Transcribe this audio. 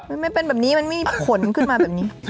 มันไม่เป็นแบบนี้มันมีขนขึ้นมาแบบนี้